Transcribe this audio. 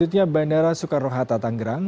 selanjutnya bandara soekarno hatta tanggerang